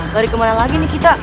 lari ke mana lagi nih kita